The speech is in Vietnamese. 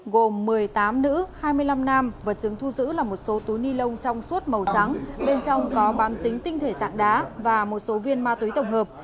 gồm một mươi tám nữ hai mươi năm nam vật chứng thu giữ là một số túi ni lông trong suốt màu trắng bên trong có bám dính tinh thể dạng đá và một số viên ma túy tổng hợp